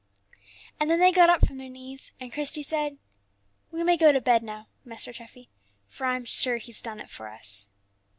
And then they got up from their knees, and Christie said, "We may go to bed now, Master Treffy, for I'm sure He's done it for us."